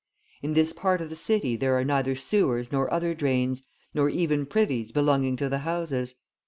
In this part of the city there are neither sewers nor other drains, nor even privies belonging to the houses.